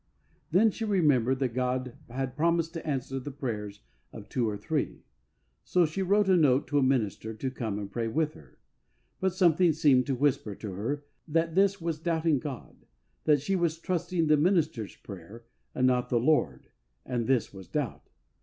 Then she remembered that God had promised to answer the prayers of two or three ; so she wrote a note to a minister to come and pray with her. But something seemed to whisper to her that this was doubting God, that she was trusting the minister's prayer and not the Lord, and this was doubt.